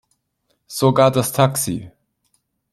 Sogar das Taxi.